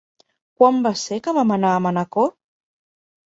Quan va ser que vam anar a Manacor?